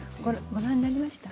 ご覧になりました？